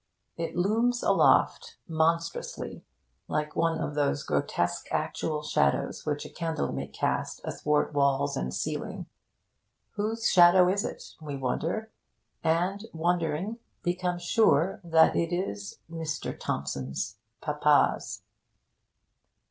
It looms aloft, monstrously, like one of those grotesque actual shadows which a candle may cast athwart walls and ceiling. Whose shadow is it? we wonder, and, wondering, become sure that it is Mr. Thompson's Papa's.